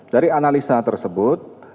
dari analisa tersebut